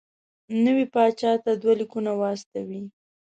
نوي پاچا ته دوه لیکونه واستوي.